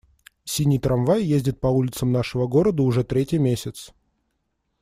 Синий трамвай ездит по улицам нашего города уже третий месяц.